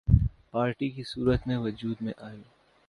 party کی صورت میں وجود میں آئی